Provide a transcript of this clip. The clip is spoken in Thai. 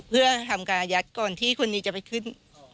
เพื่อทำการอายัดก่อนที่คนนี้จะไปขึ้น